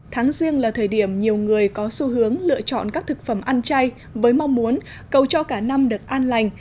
tháng riêng là thời điểm nhiều người có xu hướng lựa chọn các thực phẩm ăn chay với mong muốn cầu cho cả năm được an lành